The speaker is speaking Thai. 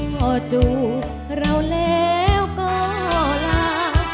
พอจูบเราแล้วก็ลา